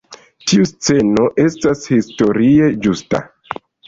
Tiu sceno estas historie ĝusta.